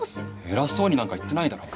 偉そうになんか言ってないだろ！